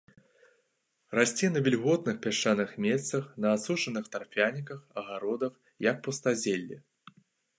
Расце на вільготных пясчаных месцах, на асушаных тарфяніках, агародах, як пустазелле.